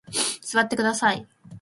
座ってください。